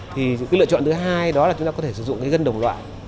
thì cái lựa chọn thứ hai đó là chúng ta có thể sử dụng cái gân đồng loại